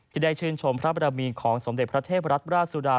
ที่ได้ชื่นชมพระบรมีของสมเด็จพระเทพรัฐราชสุดา